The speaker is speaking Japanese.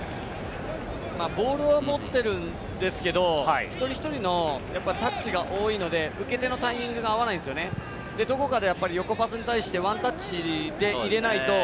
ボールは持ってるんですけれども、一人一人のタッチが多いので、受け手のタイミングが合わないんですよね、どこかでやっぱり横パスに対してワンタッチで入れないと。